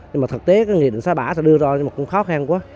nhưng mà thực tế cái nghị định xã bã sẽ đưa ra nhưng mà cũng khó khăn quá